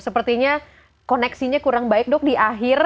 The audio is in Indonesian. sepertinya koneksinya kurang baik dok di akhir